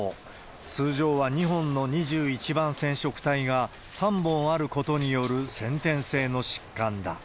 通常は２本の２１番染色体が３本あることによる先天性の疾患だ。